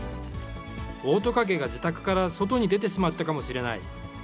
オオトカゲが自宅から外に出てしまったかもしれない。